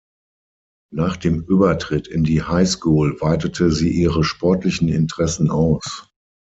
Nach dem Übertritt in die High School weitete sie ihre sportlichen Interessen aus.